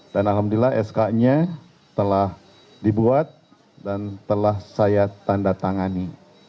dan alhamdulillah sk nya telah dibuat dan telah saya tanda tangani